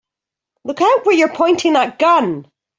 Look out where you're pointing that gun!